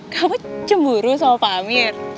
kamu cemburu sama pak amir